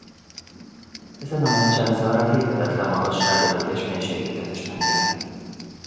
Ezen a meccsen Zarra hihetetlen magasságokat és mélységeket is megjárt.